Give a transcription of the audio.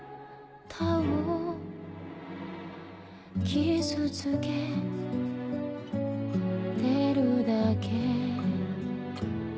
「傷つけてるだけ」